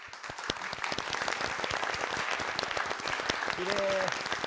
きれい。